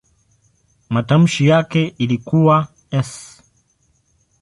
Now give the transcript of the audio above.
Matamshi yake ilikuwa "s".